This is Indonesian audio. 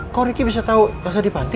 kok riki bisa tau elsa di panti